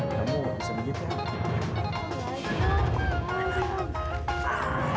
biar orang tua